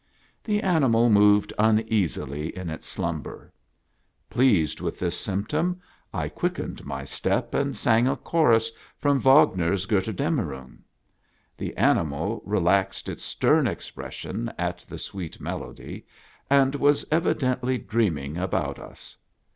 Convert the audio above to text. The animal moved uneasily in its slumber. Pleased with this symptom, I quickened my step and sang a chorus from Wagner's " Gotterdammrung." The animal relaxed its stern expression at the sweet melody, and was evidently dreaming about us.